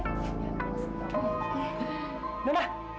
kamu kenapa sih